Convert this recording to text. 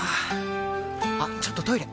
あっちょっとトイレ！